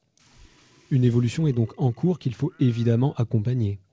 Une évolution est donc en cours, qu’il faut évidemment accompagner.